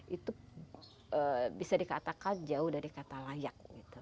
itu bisa dikatakan jauh dari kata layak